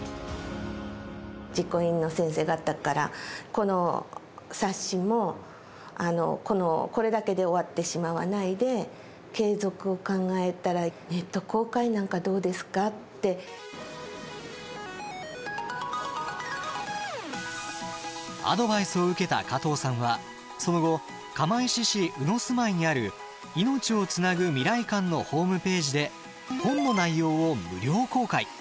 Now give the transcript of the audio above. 実行委員の先生方からこの冊子もこれだけで終わってしまわないで継続を考えたらアドバイスを受けた加藤さんはその後釜石市鵜住居にある「いのちをつなぐ未来館」のホームページで本の内容を無料公開。